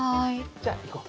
じゃあ行こう。